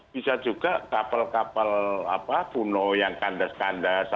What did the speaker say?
bisa juga kapal kapal puno yang kandas kandasnya